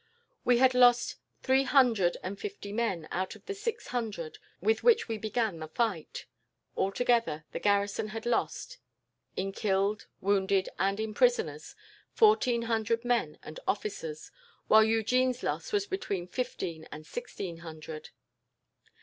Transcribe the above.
We had lost three hundred and fifty men, out of the six hundred with which we began the fight; altogether, the garrison had lost, in killed, wounded, and in prisoners, fourteen hundred men and officers, while Eugene's loss was between fifteen and sixteen hundred.